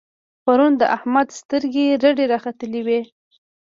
پرون د احمد سترګې رډې را ختلې وې.